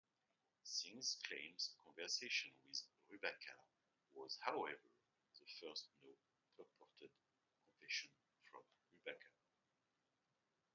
Singh's claimed conversation with Rabuka was, however, the first known purported confession from Rabuka.